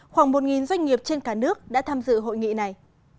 khoảng một doanh nghiệp trên cả nước đã tham dự hội nghị này